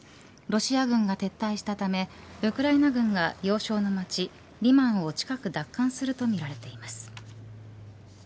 ロシア軍が撤退したためウクライナ軍が要衝の町リマンを近く奪還するとみられています。